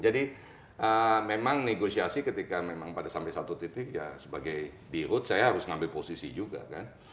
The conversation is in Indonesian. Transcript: jadi memang negosiasi ketika sampai satu titik ya sebagai dirut saya harus ngambil posisi juga kan